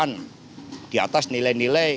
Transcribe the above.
yang berdiri kokoh di atas nilai nilai kemanusiaan